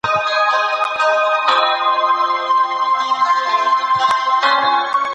افغانان د نړیوالو قوانینو د زده کړې مخالفت نه کوي.